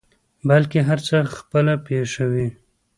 بلکې هر څه خپله پېښوي.